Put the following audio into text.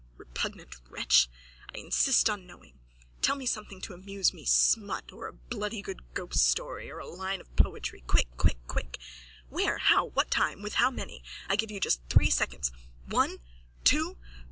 Repugnant wretch! I insist on knowing. Tell me something to amuse me, smut or a bloody good ghoststory or a line of poetry, quick, quick, quick! Where? How? What time? With how many? I give you just three seconds. One! Two!